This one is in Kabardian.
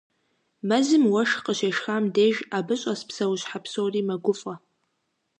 Мэзым уэшх къыщешхам деж, абы щӏэс псэущхьэ псори мэгуфӏэ.